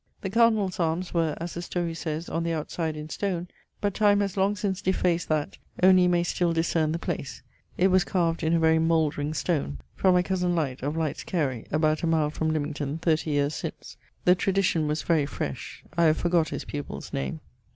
The Cardinall's armes were, as the storie sayes, on the outside in stone, but time haz long since defaced that, only you may still discerne the place; it was carved in a very mouldring stone. [CII.] From my cosen Lyte, of Lytes Carey, about a mile from Limmington, 30 yeares since. The tradition was very fresh: I have forgott his pupill's name.